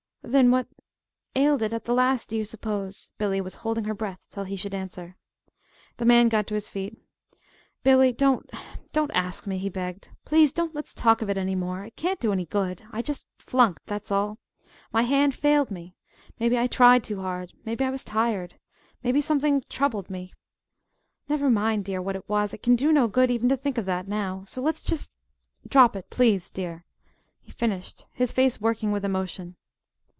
"Then what ailed it, at the last, do you suppose?" Billy was holding her breath till he should answer. The man got to his feet. "Billy, don't don't ask me," he begged. "Please don't let's talk of it any more. It can't do any good! I just flunked that's all. My hand failed me. Maybe I tried too hard. Maybe I was tired. Maybe something troubled me. Never mind, dear, what it was. It can do no good even to think of that now. So just let's drop it, please, dear," he finished, his face working with emotion.